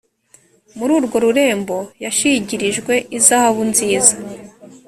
muri urwo rurembo yashigirijwe izahabu nziza